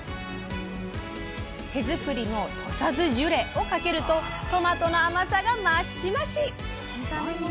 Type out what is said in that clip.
手作りの土佐酢ジュレをかけるとトマトの甘さが増し増し！